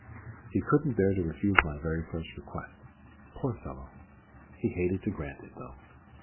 He couldn't bear to refuse my very first request. Poor fellow, he hated to grant it, though!